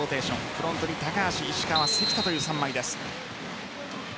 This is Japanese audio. フロントに高橋、石川、関田という３枚です。